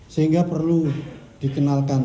sehingga perlu dikenalkan